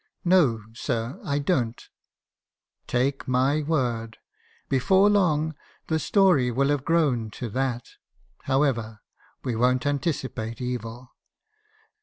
"'No, sir; I don't.' "' Take my word, before long, the story will have grown to that. However, we won't anticipate evil.